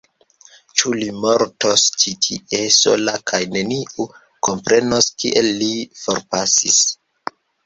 Ĉu li mortos ĉi tie, sola kaj neniu komprenos kiel li forpasis?